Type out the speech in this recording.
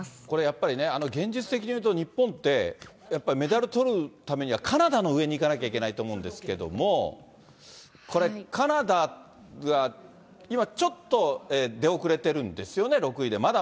これやっぱり、現実的に言うと日本って、やっぱりメダルをとるためには、カナダの上に行かなきゃいけないと思うんですけれども、これ、カナダが今、ちょっと出遅れてるんですよね、６位で。